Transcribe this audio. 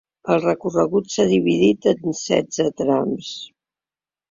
El recorregut s’ha dividit en setze trams.